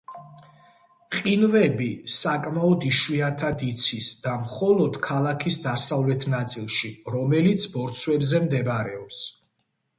ყინვები საკმაოდ იშვიათად იცის და მხოლოდ ქალაქის დასავლეთ ნაწილში, რომელიც ბორცვებზე მდებარეობს.